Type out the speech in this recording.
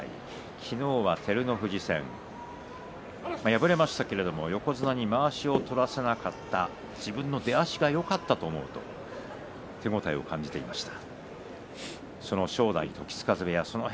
昨日は照ノ富士戦敗れましたけれども横綱にまわしを取らせなかった自分の出足がよかったと思うと手応えを感じていました。